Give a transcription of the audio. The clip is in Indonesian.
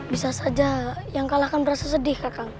bisa saja yang kalah kan merasa sedih kakak